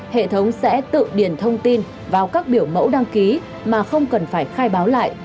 hệ thống sẽ tự điền thông tin vào các biểu mẫu đăng ký mà không cần phải khai báo lại